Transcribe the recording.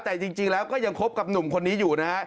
แต่จริงแล้วก็ยังคบกับหนุ่มคนนี้อยู่นะฮะ